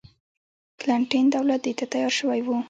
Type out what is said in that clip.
کلنټن دولت دې ته تیار شوی و.